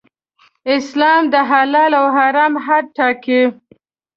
اسلام د حلال او حرام حد ټاکي.